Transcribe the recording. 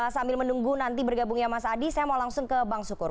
sambil menunggu nanti bergabungnya mas adi saya mau langsung ke bang sukur